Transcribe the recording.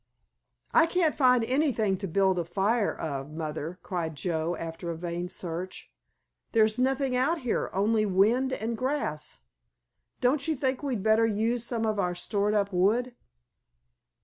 "I can't find anything to build a fire of, Mother," cried Joe after a vain search, "there's nothing out here, only wind and grass. Don't you think we'd better use some of our stored up wood?"